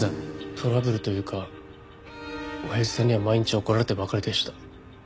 トラブルというかおやじさんには毎日怒られてばかりでした。